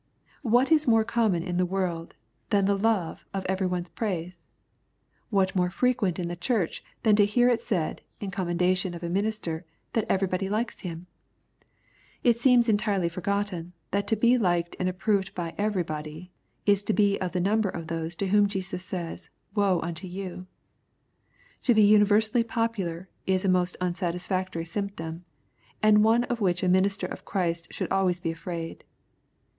What is more common in the world than the love of every one's praise ? What more frequent in the Church than to hear it said, in commendation of a minister, that " every body Ukes him I" It seems entirely forgotten, that to be liked and approved by every body, is to be of the number of those to whom Jesus says, " Woe unto you." To be unversally popu lar is a most unsatisfactory symptom, and one of which a minis ter of Christ should always be afraid.